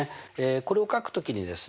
これを書く時にですね